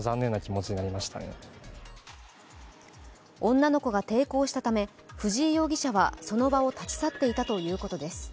女の子が抵抗したため、藤井容疑者はその場を立ち去っていたということです。